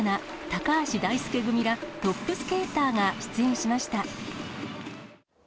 ・高橋大輔組ら、トップスケーターが出演しました。